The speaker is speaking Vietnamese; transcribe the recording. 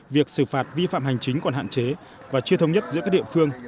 việc xử phạt vi phạm hành chính còn hạn chế và chưa thông nhất giữa các địa phương